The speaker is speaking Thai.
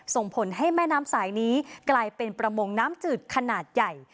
ส่งผลให้แม่น้ำสายนี้กลายเป็นประมงน้ำจืดขนาดใหญ่